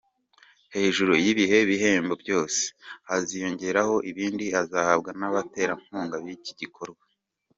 Hejuru y’ibi bihembo byose, haziyongeraho ibindi azahabwa n’abaterankunga b’iki gikorwa.